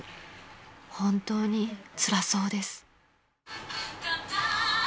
［本当につらそうです］